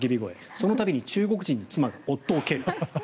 その度に中国人の妻が夫を蹴る。